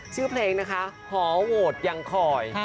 ชื่อเพลงนะคะหอโหวตยังคอย